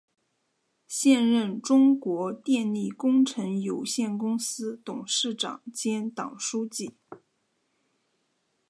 现任中国电力工程有限公司董事长兼党书记。